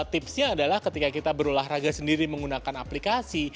tipsnya adalah ketika kita berolahraga sendiri menggunakan aplikasi